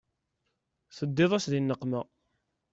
Teddiḍ-as di nneqma.